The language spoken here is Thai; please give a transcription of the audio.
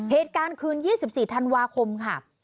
เหตุการณ์คืน๒๔ธันวาคมค่ะ